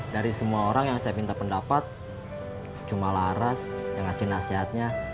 dari semua orang yang saya minta pendapat cuma laras yang ngasih nasihatnya